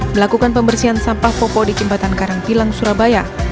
melakukan pembersihan sampah popok di jembatan karangpilang surabaya